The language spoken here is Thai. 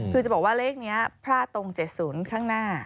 คือจะบอกว่าเลขนี้พลาดตรง๗๐ข้างหน้า